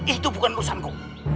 itu bukan lulusanku